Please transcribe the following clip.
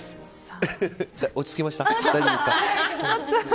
落ち着きました？